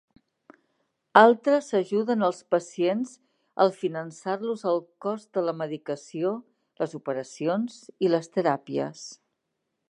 Altres ajuden als pacients al finançar-los el cost de la medicació, les operacions i les teràpies.